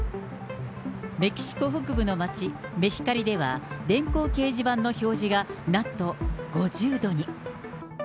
メキシコ北部の町、メヒカリでは、電光掲示板の表示がなんと５０度に。